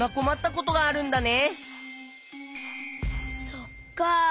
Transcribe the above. そっか。